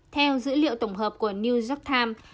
theo dữ liệu tổng hợp của new york times